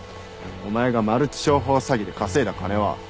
お前がマルチ商法詐欺で稼いだ金は。